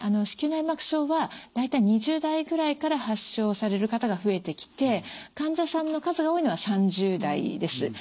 子宮内膜症は大体２０代ぐらいから発症される方が増えてきて患者さんの数が多いのは３０代です。